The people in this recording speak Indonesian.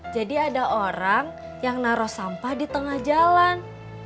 jadi ada orang yang naro sampah di tengah jalan